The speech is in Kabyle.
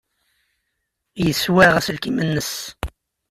Yeswaɣ aselkim-nnes.